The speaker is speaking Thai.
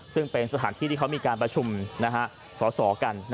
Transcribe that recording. ซึ่งเป็นสถานที่ที่เขามีการประชุมสอสอกัน